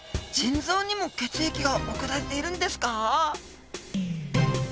腎臓にも血液が送られているんですか？